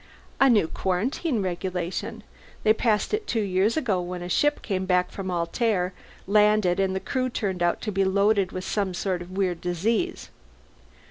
"A new quarantine regulation. They passed it two years ago when a ship back from Altair landed and the crew turned out to be loaded with some sort of weird disease.